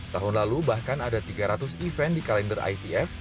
tahun lalu bahkan ada tiga ratus event di kalender itf